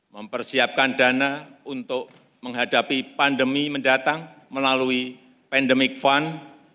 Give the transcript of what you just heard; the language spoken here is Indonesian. mempersiapkan dana untuk menghadapi pandemi mendatang melalui pandemic fund